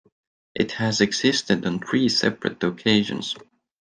It has existed on three separate occasions.